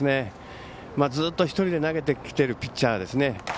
ずっと１人で投げてきているピッチャーですね。